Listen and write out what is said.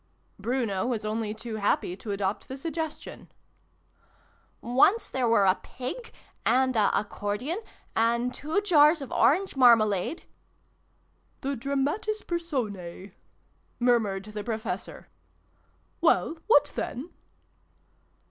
Bruno was only too happy to adopt the suggestion. " Once there were a Pig, and a Accordion, and two Jars of Orange marmalade " The dramatis persons" murmured the Professor. " Well, what then